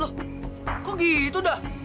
loh kok gitu dah